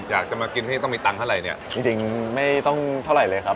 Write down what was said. อยากจะมากินที่ต้องมีตังค์เท่าไหร่เนี่ยจริงไม่ต้องเท่าไหร่เลยครับ